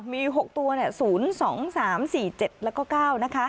มี๖ตัว๐๒๓๔๗แล้วก็๙นะคะ